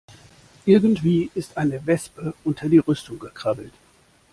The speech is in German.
Irgendwie ist eine Wespe unter die Rüstung gekrabbelt.